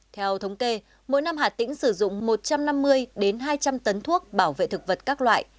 theo thống kê mỗi năm hà tĩnh sử dụng một trăm năm mươi hai trăm linh tấn thuốc bảo vệ thực vật các loại